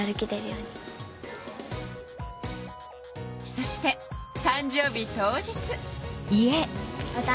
そして誕生日当日。